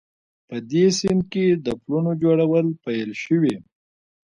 په دې سیند کې د پلونو جوړول پیل شوي